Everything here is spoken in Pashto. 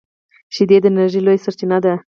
شیدې د انرژۍ لویه سرچینه ده